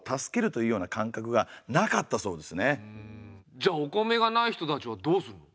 じゃあお米がない人たちはどうするの？